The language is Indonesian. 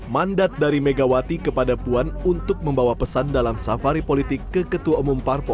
mandat dari megawati kepada puan untuk membawa pesan dalam safari politik ke ketua umum parpo